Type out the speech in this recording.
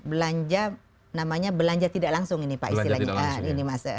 belanja namanya belanja tidak langsung ini pak istilahnya